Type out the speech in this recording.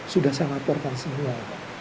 sudah saya laporkan semua